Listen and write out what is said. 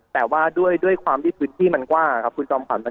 แต่ว่าด้วยความที่พื้นที่มันกว้างครับคุณจอมขวัญ